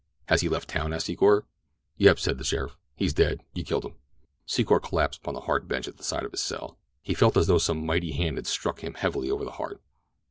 "Has he left town?" asked Secor. "Yep," said the sheriff. "He's dead—you killed him." Secor collapsed upon the hard bench at the side of his cell. He felt as though some mighty hand had struck him heavily over the heart.